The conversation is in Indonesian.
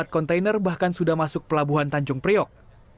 empat kontainer bahkan sudah masuk pelabuhan tanjung priok